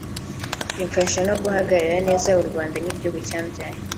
bimfasha no guhagararira neza u Rwanda nk’igihugu cyambyaye